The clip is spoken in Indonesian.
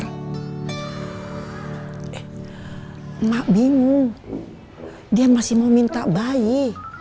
eh emak bingung dia masih mau minta bayi